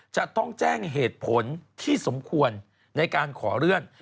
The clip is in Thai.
จะต้องแจ้งเหตุผลที่สมควรในการขอเลื่อน